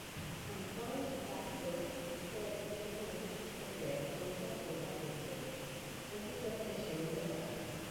Antoine Gustave Droz Buffet de chemin de fer.jpg|"Un buffet de chemin de fer".